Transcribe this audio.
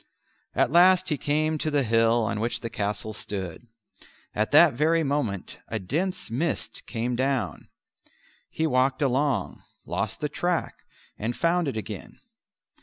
At last he came to the hill on which the castle stood. At that very moment a dense mist came down; he walked along, lost the track, and found it again.